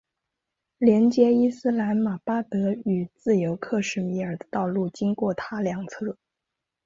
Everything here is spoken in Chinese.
连接伊斯兰马巴德与自由克什米尔的道路经过它两次。